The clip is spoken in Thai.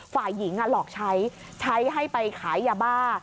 ฝ่ายหญิงหลอกใช้ใช้ให้ไปขายยาบ้า